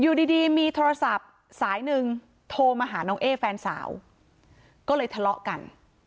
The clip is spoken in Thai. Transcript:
อยู่ดีดีมีโทรศัพท์สายหนึ่งโทรมาหาน้องเอ๊แฟนสาวก็เลยทะเลาะกัน